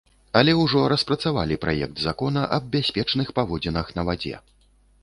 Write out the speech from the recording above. Але ўжо распрацавалі праект закона аб бяспечных паводзінах на вадзе.